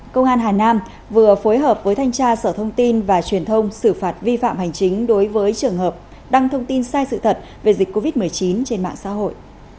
công an hà nam vừa phối hợp với thanh tra sở thông tin và truyền thông xử phạt vi phạm hành chính đối với trường hợp đăng thông tin sai sự thật về dịch covid một mươi chín trên mạng xã hội